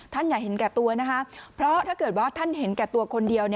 อย่าเห็นแก่ตัวนะคะเพราะถ้าเกิดว่าท่านเห็นแก่ตัวคนเดียว